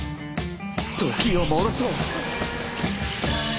時を戻そう。